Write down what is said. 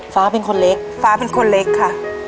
ฟ้าเป็นคนเล็กฟ้าเป็นคนเล็กค่ะ